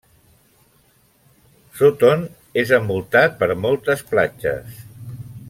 Sutton és envoltat per moltes platges.